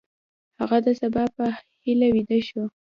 هغه د سبا په هیله ویده شو.